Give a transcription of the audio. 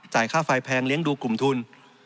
ค่าไฟแพงเลี้ยงดูกลุ่มทุน